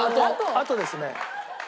あとですね